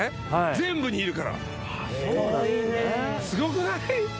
全部にいるからすごくない？